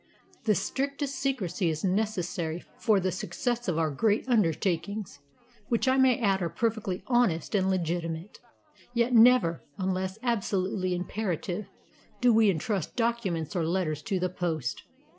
The strictest secrecy is necessary for the success of our great undertakings, which I may add are perfectly honest and legitimate. Yet never, unless absolutely imperative, do we entrust documents or letters to the post.